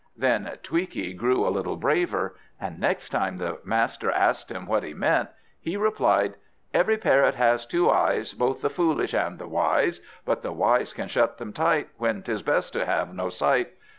Then Tweaky grew a little braver; and next time the master asked him what he meant, he replied: "Every parrot has two eyes, Both the foolish and the wise; But the wise can shut them tight When 'tis best to have no sight.